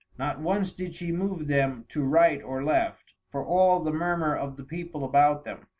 Not once did she move them to right or left, for all the murmur of the people about them.